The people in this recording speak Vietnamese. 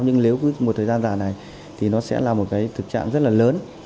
nhưng nếu một thời gian dài này thì nó sẽ là một cái thực trạng rất là lớn